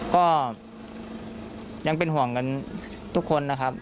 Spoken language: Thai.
ก็ยังเป็นห่วงกันทุกคนนะครับ